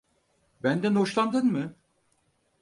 Benden hoşlandın mı?